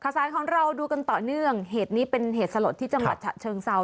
ซารทราบดูต่อเนื่องเหตุนี้เป็นเหตุสะลดที่จังหวัดเชริงเศร้า